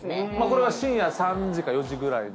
これは深夜３時か４時ぐらいの